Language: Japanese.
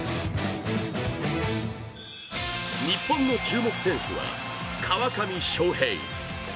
日本の注目選手は川上翔平。